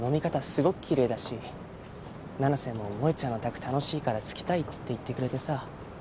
すごくきれいだし七星も萌ちゃんの卓楽しいから付きたいって言ってくれてさ。